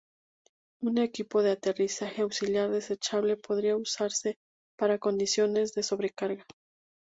Un equipo de aterrizaje auxiliar desechable podría usarse para condiciones de sobrecarga.